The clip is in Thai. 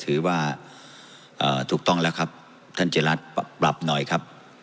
ถือว่าเอ่อถูกต้องแล้วครับท่านเกรียรัฐปรับปรับหน่อยครับ